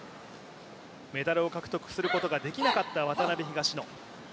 メダルを獲得することができなかった渡辺・東野。